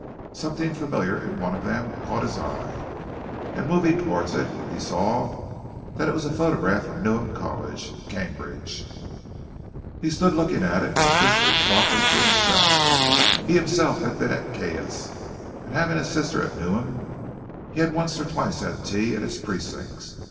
Something familiar in one of them caught his eye, and moving towards it he saw that it was a photograph of Newham College, Cambridge. He stood looking at it, whistling softly to himself. He himself had been at Caius, and having a sister at Newham, had once or twice had tea in its precincts.